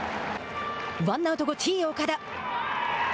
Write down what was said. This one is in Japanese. ワンアウト後、Ｔ−岡田。